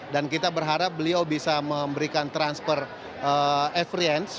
dan kita berharap beliau bisa memberikan transfer experience